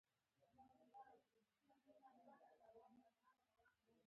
دوی ته يې وچې سترګې نيولې وې.